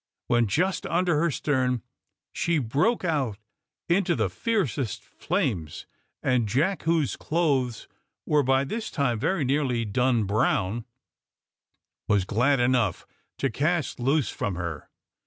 When just under her stern, she broke out into the fiercest flames, and Jack, whose clothes were by this time very nearly done brown, was glad enough to cast loose from her.